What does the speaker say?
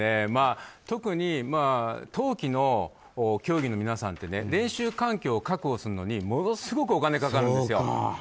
特に冬季の競技の皆さんって練習環境を確保するのにものすごくお金がかかるんですよ。